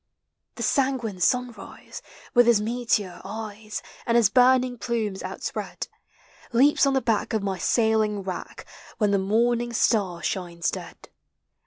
The sanguine sunrise, with his meteor eyes, And his burning plumes outspread, Leaps on the back of my sailing rack. When the morning star shines dead.